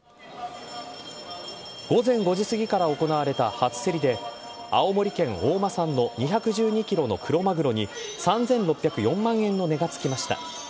午前５時すぎから行われた初競りで青森県大間産の２１２ｋｇの黒マグロに３６０４万円の値がつきました。